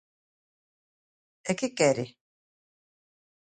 ¿E que quere?